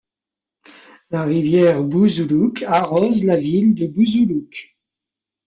La rivière Bouzoulouk arrose la ville de Bouzoulouk.